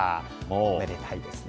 おめでたいですね。